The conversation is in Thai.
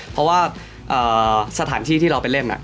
เพราะว่าสถานที่ที่เราไปเล่น